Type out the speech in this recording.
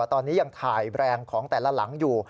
ตอนนี้ยังถ่ายแบรนด์ของแต่ละหลังอยู่